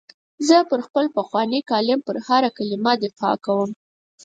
زه پر خپل پخواني کالم پر هره کلمه دفاع کوم.